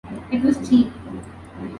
It was cheap.